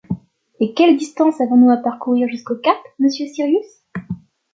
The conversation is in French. Et quelle distance avons-nous à parcourir jusqu’au cap, monsieur Cyrus